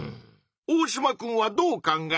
オオシマくんはどう考える？